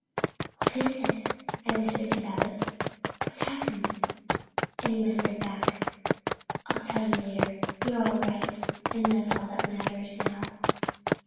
"What is it?" I whispered to Babbitts. "What's happened?" And he whispered back: "I'll tell you later. You're all right—that's all that matters now."